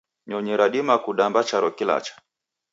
Nyonyi radima kudamba charo kilacha